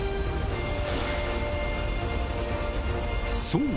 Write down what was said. そう！